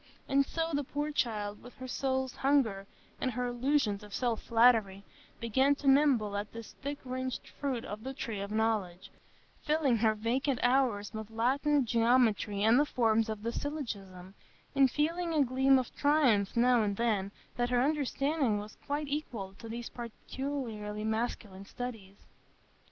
And so the poor child, with her soul's hunger and her illusions of self flattery, began to nibble at this thick rinded fruit of the tree of knowledge, filling her vacant hours with Latin, geometry, and the forms of the syllogism, and feeling a gleam of triumph now and then that her understanding was quite equal to these peculiarly masculine studies.